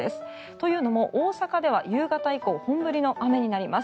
というのも大阪では夕方以降本降りの雨になります。